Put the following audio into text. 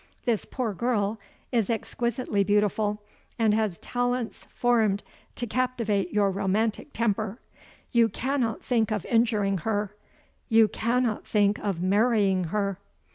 This poor girl is exquisitely beautiful, and has talents formed to captivate your romantic temper. You cannot think of injuring her you cannot think of marrying her?"